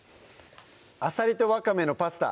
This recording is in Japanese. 「アサリとわかめのパスタ」